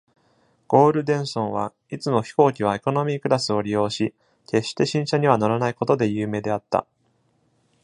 ゴールデンソンはいつも飛行機はエコノミークラスを利用し、決して新車には乗らないことで有名であった。